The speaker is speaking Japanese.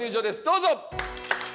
どうぞ！